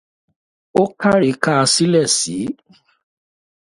Ọlọ́paàá kan ní Èkìtì ní akẹ́kọ̀ọ́ fásitì ni òun.